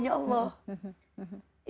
yang kedua ikuti perintahku